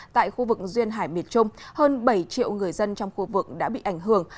tại khu vực duyên hải miệt trung hơn bảy triệu người dân trong khu vực đã bị ảnh hưởng